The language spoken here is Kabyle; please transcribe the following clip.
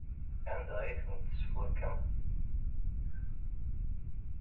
Anda ay ten-tesfurkem?